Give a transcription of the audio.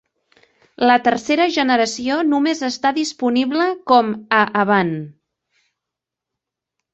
La tercera generació només està disponible com a "Avant".